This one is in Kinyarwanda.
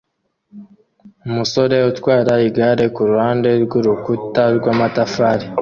umusore utwara igare kuruhande rwurukuta rwamatafari